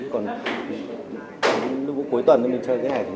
còn lúc cuối tuần mình chơi cái này mình đánh mình đánh